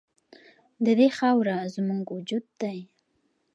د دې خاوره زموږ وجود دی